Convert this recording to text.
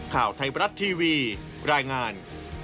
ข่าวไทยบรัฐทีวีรายงาน